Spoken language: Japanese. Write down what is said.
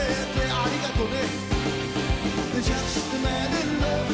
ありがとね。